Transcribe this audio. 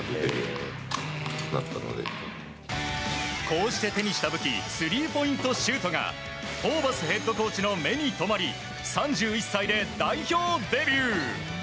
こうして手にした武器スリーポイントシュートがホーバスヘッドコーチの目に留まり３１歳で代表デビュー。